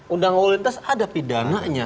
undang lalu lintas ada pidananya